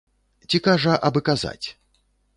Ці кажа, абы казаць.